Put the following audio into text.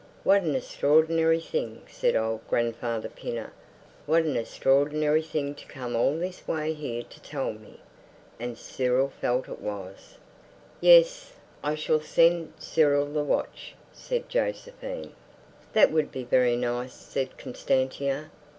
"What an esstrordinary thing!" said old Grandfather Pinner. "What an esstrordinary thing to come all this way here to tell me!" And Cyril felt it was. "Yes, I shall send Cyril the watch," said Josephine. "That would be very nice," said Constantia.